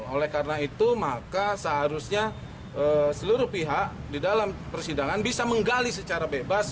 oleh karena itu maka seharusnya seluruh pihak di dalam persidangan bisa menggali secara bebas